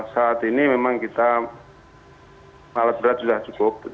saat ini memang kita alat berat sudah cukup